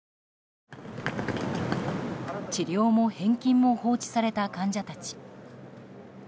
治療も返金も放置された患者たち。